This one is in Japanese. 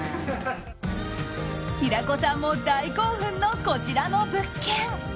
平子さんも大興奮のこちらの物件